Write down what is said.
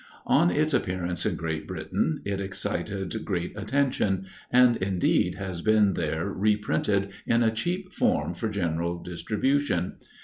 On its appearance in Great Britain, it excited great attention; and, indeed, has been there reprinted in a cheap form for general distribution.